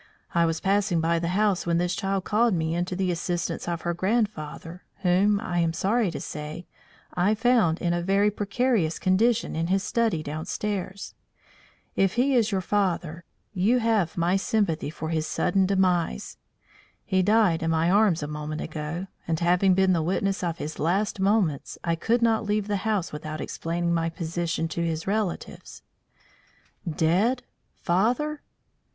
I was passing by the house when this child called me in to the assistance of her grandfather whom, I am sorry to say, I found in a very precarious condition in his study downstairs. If he is your father, you have my sympathy for his sudden demise. He died in my arms a moment ago; and having been the witness of his last moments, I could not leave the house without explaining my position to his relatives." "Dead! Father?"